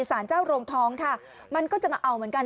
สารเจ้าโรงท้องค่ะมันก็จะมาเอาเหมือนกัน